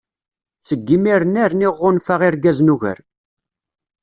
Seg yimir-nni rniɣ ɣunfaɣ irgazen ugar.